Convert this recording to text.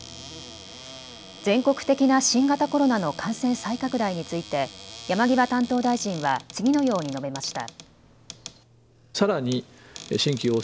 全国的な新型コロナの感染再拡大について山際担当大臣は次のように述べました。